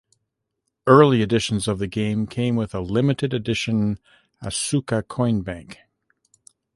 Early editions of the game came with a limited edition Asuka coin bank.